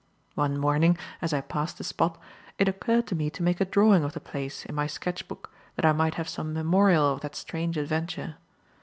One morning, as I passed the spot, it occurred to me to make a drawing of the place in my sketch book, that I might have some memorial of that strange adventure.